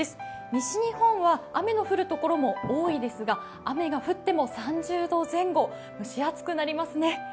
西日本は雨の降る所も多いですが、雨が降っても３０度前後、蒸し暑くくなりますね。